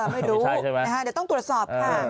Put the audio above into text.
ไม่รู้เดี๋ยวต้องตรวจสอบค่ะ